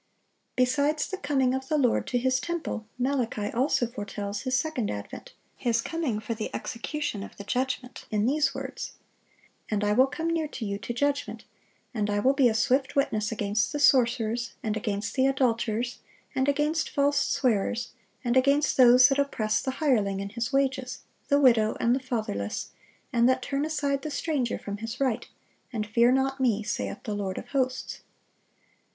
(702) Besides the coming of the Lord to His temple, Malachi also foretells His second advent, His coming for the execution of the judgment, in these words: "And I will come near to you to judgment; and I will be a swift witness against the sorcerers, and against the adulterers, and against false swearers, and against those that oppress the hireling in his wages, the widow, and the fatherless, and that turn aside the stranger from his right, and fear not Me, saith the Lord of hosts."